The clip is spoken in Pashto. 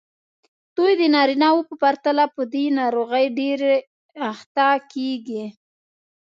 دوی د نارینه وو په پرتله په دې ناروغۍ ډېرې اخته کېږي.